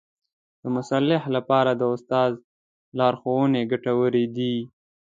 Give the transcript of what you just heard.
د محصل لپاره د استاد لارښوونې ګټورې دي.